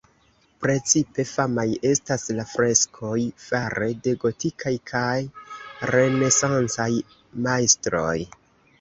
Precipe famaj estas la freskoj fare de gotikaj kaj renesancaj majstroj.